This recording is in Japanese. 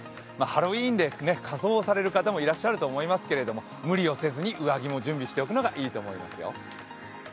ハロウィーンで仮装される方もいらっしゃるかと思いますが無理をせずに上着も準備しておくのがいいと思いますよ。